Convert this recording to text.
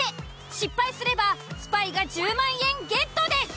失敗すればスパイが１０万円ゲットです！